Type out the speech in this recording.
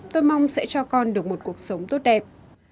tôi mong sẽ cho con được một cuộc sống tốt đẹp